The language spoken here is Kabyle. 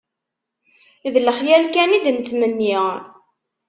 D lexyal kan i d-nettmenni